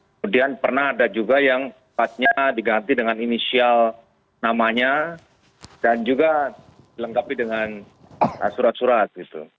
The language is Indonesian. kemudian pernah ada juga yang tempatnya diganti dengan inisial namanya dan juga dilengkapi dengan surat surat gitu